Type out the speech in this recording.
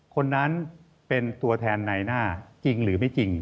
คนนั้นเป็นตัวแทนในหน้าจริงหรือไม่จริง